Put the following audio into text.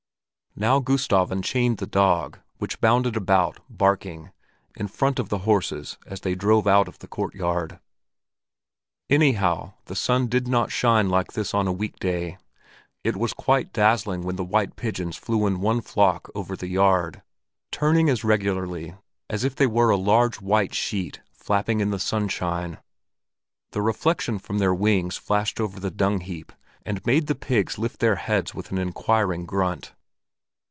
Now Gustav unchained the dog, which bounded about, barking, in front of the horses as they drove out of the courtyard. Anyhow the sun did not shine like this on a week day. It was quite dazzling when the white pigeons flew in one flock over the yard, turning as regularly as if they were a large white sheet flapping in the sunshine; the reflection from their wings flashed over the dung heap and made the pigs lift their heads with an inquiring grunt.